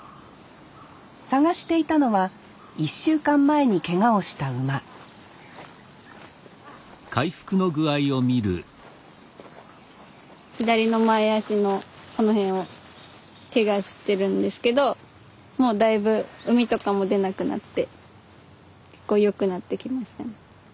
探していたのは１週間前にけがをした馬左の前足のこの辺をけがしてるんですけどもうだいぶうみとかも出なくなって結構良くなってきましたね。